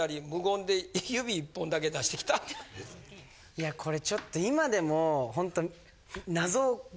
いやこれちょっと今でもほんと。